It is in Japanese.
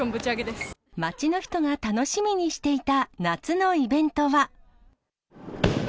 街の人が楽しみにしていた夏のイベントは。